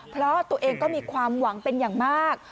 เพราะตัวเองก็มีความหวังเป็นอย่างมาก